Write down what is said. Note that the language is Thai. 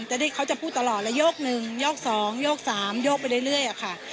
จะได้เขาจะพูดตลอดแล้วโยกหนึ่งโยกสองโยกสามโยกไปเรื่อยค่ะ